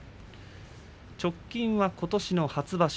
直近はことしの初場所。